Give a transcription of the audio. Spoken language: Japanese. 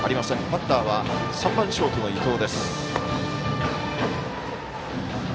バッターは３番ショートの伊藤。